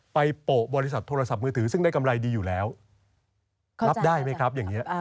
โปะบริษัทโทรศัพท์มือถือซึ่งได้กำไรดีอยู่แล้วรับได้ไหมครับอย่างนี้